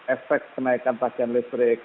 efek kenaikan tagihan listrik